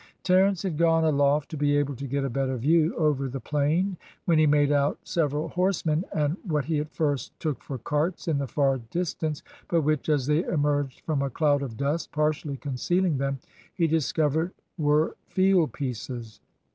Terence had gone aloft to be able to get a better view over the plain, when he made out several horsemen, and what he at first took for carts in the far distance, but which as they emerged from a cloud of dust partially concealing them he discovered were field pieces.